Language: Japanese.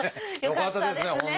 よかったですね。